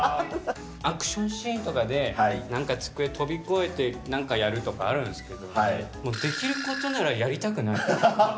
アクションシーンとかでなんか机飛び越えて、なんかやるとかあるんですけど、できることならやりたくない。